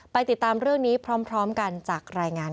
ติดตามเรื่องนี้พร้อมกันจากรายงาน